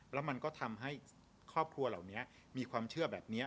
แล้วมันก็ทำให้ครอบครัวเหล่านี้มีความเชื่อแบบนี้